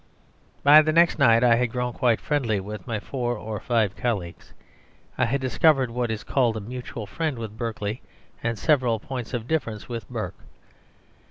By the next night I had grown quite friendly with my four or five colleagues; I had discovered what is called a mutual friend with Berkeley and several points of difference with Burke.